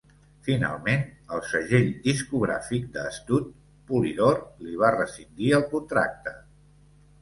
Finalment, el segell discogràfic de Studt, Polydor, li va rescindir el contracte.